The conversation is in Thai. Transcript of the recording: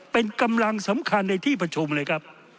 เป็นกำลังสำคัญในที่ประชุมเลยครับ